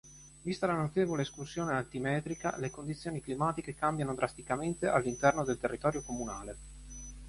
Vista la notevole escursione altimetrica, le condizioni climatiche cambiano drasticamente all'interno del territorio comunale.